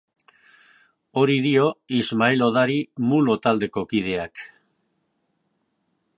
Hori dio Ismael Odari Mulo taldeko kideak.